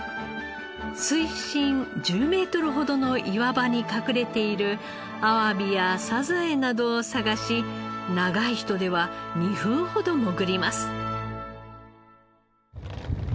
水深１０メートルほどの岩場に隠れているあわびやサザエなどを探し長い人では２分ほど潜ります。